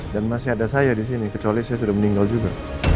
dan masih ada saya disini kecuali saya sudah meninggal juga